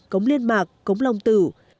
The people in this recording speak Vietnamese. cống liên mạc cống long tử